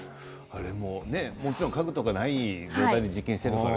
もちろん家具とかない状態で実験しているからね